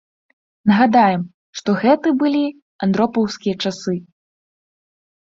Нагадаем, што гэты былі андропаўскія часы.